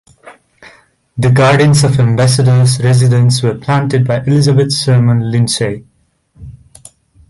The gardens of the ambassador's residence were planted by Elizabeth Sherman Lindsay.